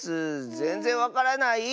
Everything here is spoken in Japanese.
ぜんぜんわからない！